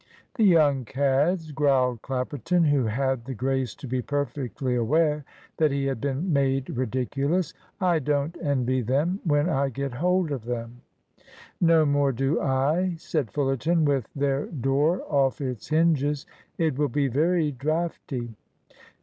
"The young cads!" growled Clapperton, who had the grace to be perfectly aware that he had been made ridiculous. "I don't envy them when I get hold of them." "No more do I," said Fullerton, "with their door off its hinges. It will be very draughty."